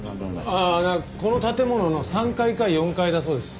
ああこの建物の３階か４階だそうです。